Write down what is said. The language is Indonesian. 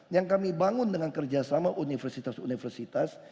yang kami bangun dengan kerjasama universitas universitas